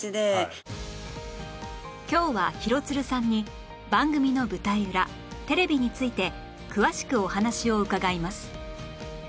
今日は廣津留さんに番組の舞台裏テレビについて詳しくお話を伺います